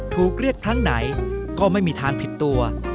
ถูกเรียกครั้งไหนก็ไม่มีทางผิดตัว